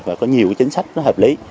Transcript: và có nhiều chính sách hợp lý